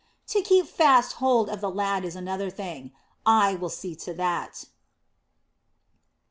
To keep fast hold of the lad is another thing, I will see to that."